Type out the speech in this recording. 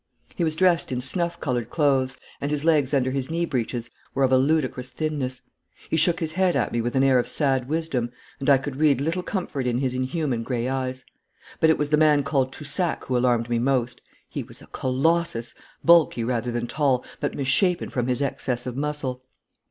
He was dressed in snuff coloured clothes, and his legs under his knee breeches were of a ludicrous thinness. He shook his head at me with an air of sad wisdom, and I could read little comfort in his inhuman grey eyes. But it was the man called Toussac who alarmed me most. He was a colossus; bulky rather than tall, but misshapen from his excess of muscle.